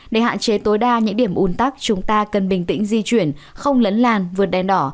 để hạn chế tối đa những điểm ủn tắc chúng ta cần bình tĩnh di chuyển không lấn làn vượt đèn đỏ